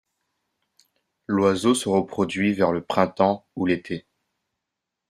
L'oiseau se reproduit vers le printemps ou l'été.